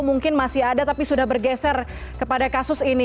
mungkin masih ada tapi sudah bergeser kepada kasus ini